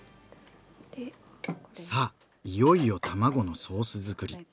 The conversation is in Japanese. さあいよいよ卵のソースづくり。